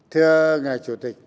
thưa ngài chủ tịch